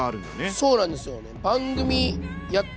そうなんですよね。